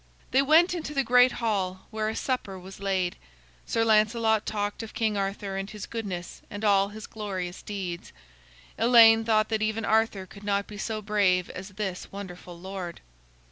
They went into the great hall where a supper was laid. Sir Lancelot talked of King Arthur and his goodness and all his glorious deeds. Elaine thought that even Arthur could not be so brave as this wonderful lord.